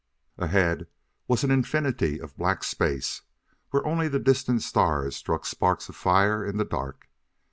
Ahead was an infinity of black space where only the distant stars struck sparks of fire in the dark.